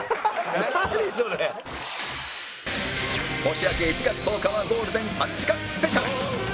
年明け１月１０日はゴールデン３時間スペシャル